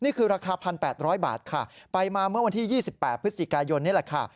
นี่คือราคา๑๘๐๐บาทค่ะไปมาเมื่อวันที่๒๘พฤศจิกายนนี่แหละค่ะ